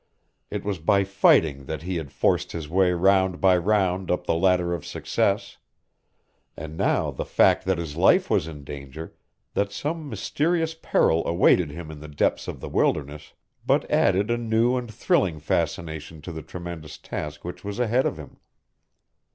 It was by fighting that he had forced his way round by round up the ladder of success. And now the fact that his life was in danger, that some mysterious peril awaited him in the depths of the wilderness, but added a new and thrilling fascination to the tremendous task which was ahead of him.